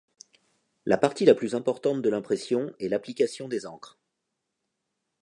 La partie la plus importante de l’impression est l’application des encres.